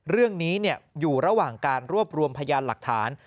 เรื่องนี้อยู่ระหว่างการรวบรวมพยานหลักฐาน